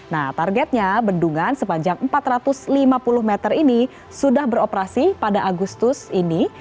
nah targetnya bendungan sepanjang empat ratus lima puluh meter ini sudah beroperasi pada agustus ini